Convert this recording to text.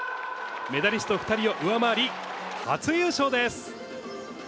メダリスト２人を上回り、初優勝です。